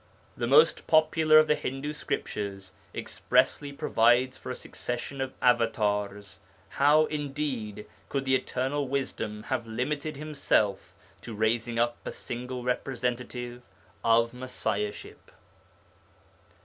The most popular of the Hindu Scriptures expressly provides for a succession of avatârs; how, indeed, could the Eternal Wisdom have limited Himself to raising up a single representative of Messiahship.